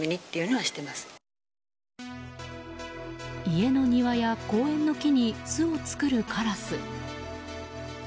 家の庭や公園の木に巣を作るカラス。